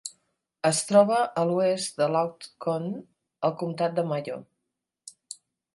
Es troba a l'oest de Lough Conn al comtat de Mayo.